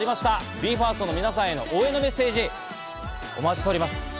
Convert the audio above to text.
ＢＥ：ＦＩＲＳＴの皆さんへの応援のメッセージお待ちしております。